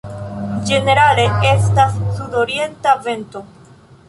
Ĝenerale estas sudorienta vento.